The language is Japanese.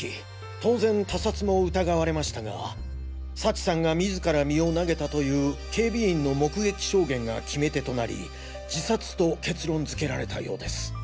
当然他殺も疑われましたが幸さんが自ら身を投げたという警備員の目撃証言が決め手となり自殺と結論づけられたようです。